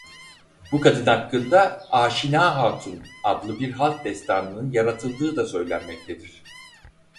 Bu kadın hakkında "Aşina Hatun" adlı bir halk destanının yaratıldığı da söylenmektedir.